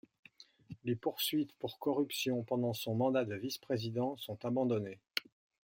Les poursuites pour corruption pendant son mandat de vice-président sont abandonnées.